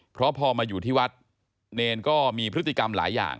เพราะพอมาอยู่ที่วัดเนรก็มีพฤติกรรมหลายอย่าง